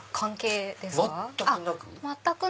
全くなく？